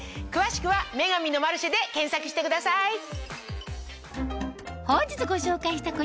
詳しくは「女神のマルシェ」で検索してください。